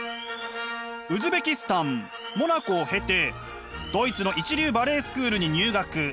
ウズベキスタンモナコを経てドイツの一流バレエスクールに入学。